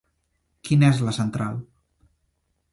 Quina és la central?